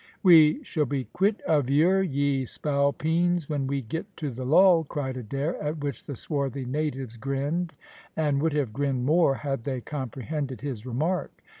"We shall be quit of yer, ye spalpeens, when we get to the lull," cried Adair, at which the swarthy natives grinned, and would have grinned more had they comprehended his remark.